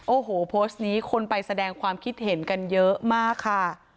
โอ้โหโพสต์นี้คนไปแสดงความคิดเห็นกันเยอะมากค่ะ